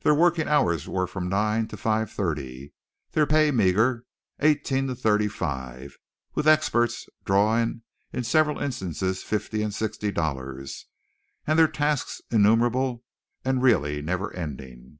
Their working hours were from nine to five thirty, their pay meagre eighteen to thirty five, with experts drawing in several instances fifty and sixty dollars, and their tasks innumerable and really never ending.